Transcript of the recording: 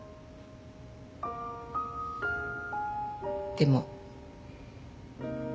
でも。